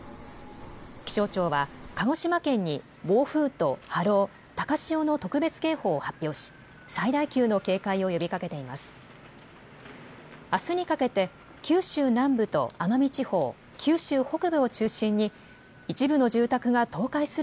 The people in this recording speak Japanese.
気象庁は、鹿児島県に暴風と波浪、高潮の特別警報を発表し、最大級の警戒を呼びかけています。